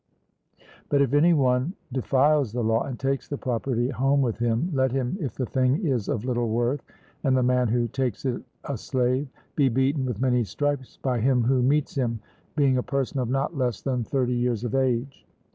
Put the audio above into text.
But if any one defies the law, and takes the property home with him, let him, if the thing is of little worth, and the man who takes it a slave, be beaten with many stripes by him who meets him, being a person of not less than thirty years of age.